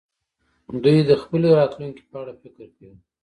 دوی د خپلې راتلونکې په اړه فکر کوي.